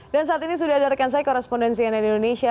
dan saat ini sudah ada rekan saya korespondensi yang ada di indonesia